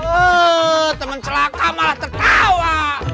oh teman celaka malah tertawa